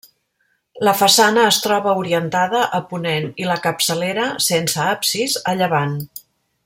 La façana es troba orientada a ponent i la capçalera, sense absis, a llevant.